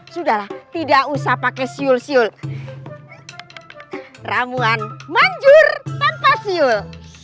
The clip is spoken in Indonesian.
sudahlah tidak usah pakai siul siul ramuan manjur tanpa siul